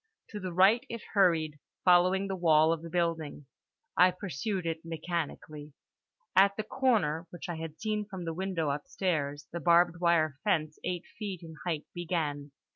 To the right it hurried, following the wall of the building. I pursued it mechanically. At the corner, which I had seen from the window upstairs, the barbed wire fence eight feet in height began.